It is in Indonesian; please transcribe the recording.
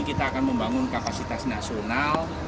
kita akan membangun kapasitas nasional